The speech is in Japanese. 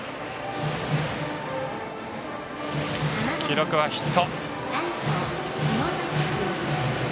記録はヒット。